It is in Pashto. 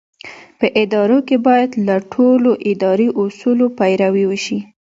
په ادارو کې باید له ټولو اداري اصولو پیروي وشي.